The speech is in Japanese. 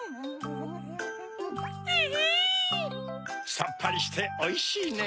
さっぱりしておいしいねぇ。